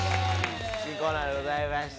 新コーナーでございます。